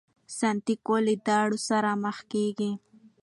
سانتیاګو له داړو سره مخ کیږي.